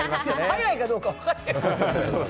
速いかどうか分からへん。